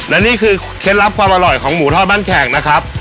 และนี่คือเคล็ดลับความอร่อยของหมูทอดบ้านแขกนะครับ